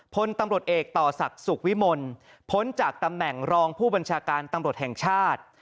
พลตำรวจเอกต่อศักดิ์สุขวิมลพ้นจากตำแหน่งรองผู้บัญชาการตำรวจแห่งชาติ